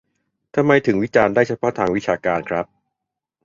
ทำไมถึงวิจารณ์ได้เฉพาะทางวิชาการครับ